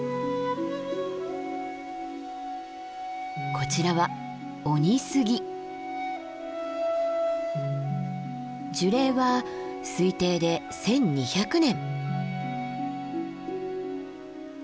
こちらは樹齢は推定で１，２００年。